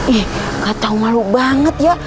ih gak tahu malu banget ya